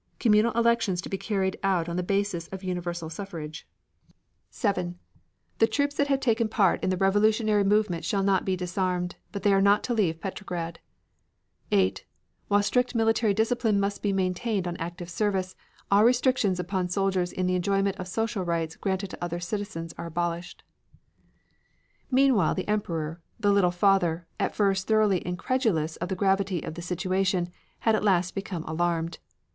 Communal elections to be carried out on the basis of universal suffrage. 7. The troops that have taken part in the revolutionary movement shall not be disarmed, but they are not to leave Petrograd. 8. While strict military discipline must be maintained on active service, all restrictions upon soldiers in the enjoyment of social rights granted to other citizens are to be abolished. Meantime the Emperor, "the Little Father," at first thoroughly incredulous of the gravity of the situation, had at last become alarmed.